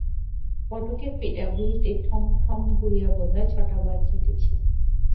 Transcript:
ফটকের পেটাঘাঁড়িতে ঠং ঠাং করিয়া বোধ হয় ছটা বাজাইতেছে।